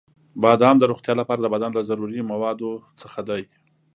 • بادام د روغتیا لپاره د بدن له ضروري موادو څخه دی.